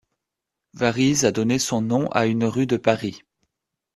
Varize a donné son nom à une rue de Paris.